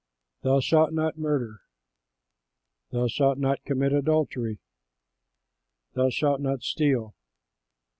"THOU SHALT NOT MURDER. "THOU SHALT NOT COMMIT ADULTERY. "THOU SHALT NOT STEAL.